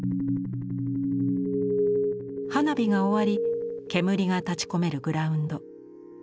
花火が終わり煙が立ちこめるグラウンド。